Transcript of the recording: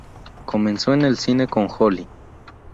Comenzó en el cine con Holly.